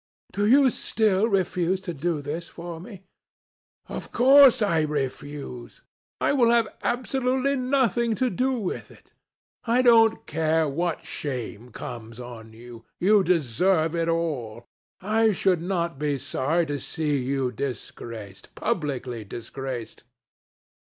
"Do you still refuse to do this for me?" "Of course I refuse. I will have absolutely nothing to do with it. I don't care what shame comes on you. You deserve it all. I should not be sorry to see you disgraced, publicly disgraced.